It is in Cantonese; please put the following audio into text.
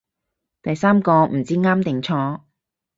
第三個唔知啱定錯